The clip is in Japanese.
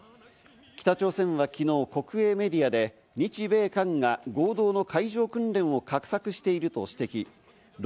北朝鮮は昨日、国営メディアで、日米韓が合同の海上訓練を画策していると指摘。